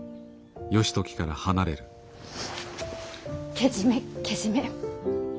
けじめけじめ。